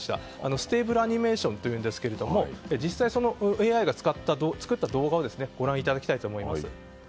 ステーブルアニメーションというんですけど実際にＡＩが作った動画をご覧いただきたいと思います。